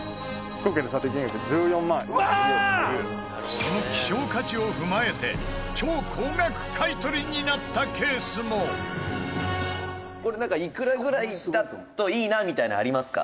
その希少価値を踏まえて超高額買取になったケースも「これ、いくらぐらいだといいなみたいなのありますか？」